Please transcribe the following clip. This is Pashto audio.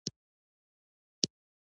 د نیالګیو قوریې په هر ولایت کې شته.